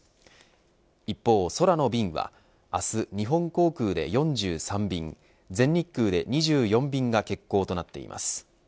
一方空の便は明日、日本航空で４３便全日空で２４便が欠航となっています。